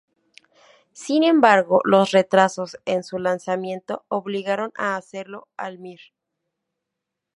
Sin embargo, los retrasos en su lanzamiento obligaron a hacerlo al Mir.